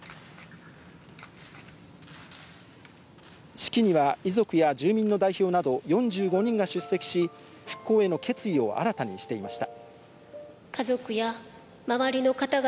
式には遺族や住民の代表など４５人が出席し、復興への決意を新たにしていました。